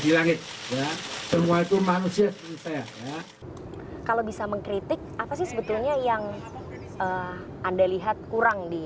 di langit ya semua itu manusia kalau bisa mengkritik apa sih sebetulnya yang anda lihat kurang di